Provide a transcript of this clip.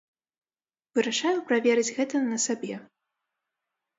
Вырашаю праверыць гэта на сабе.